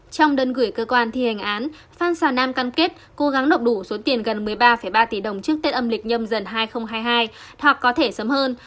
trong đơn gửi cơ quan thi hành án phan xà nam cam kết cố gắng nộp đủ số tiền gần một mươi ba ba tỷ đồng trước tết âm lịch nhâm dần hai nghìn hai mươi hai hoặc có thể sớm hơn